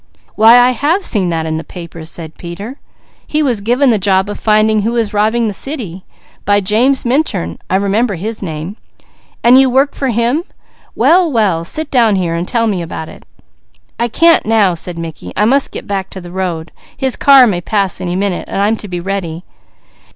"Why I have seen that in the papers," said Peter. "He was given the job of finding who is robbing the city, by James Minturn; I remember his name. And you work for him? Well, well! Sit down here and tell me about it." "I can't now," said Mickey. "I must get back to the road. His car may pass any minute, and I'm to be ready.